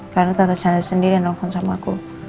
karena tante chandra sendiri yang nolong sama aku